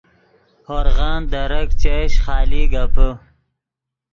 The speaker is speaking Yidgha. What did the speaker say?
ہورغن درک چش خالی گپے